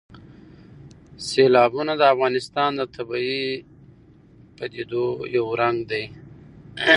سیلابونه د افغانستان د طبیعي پدیدو یو رنګ دی.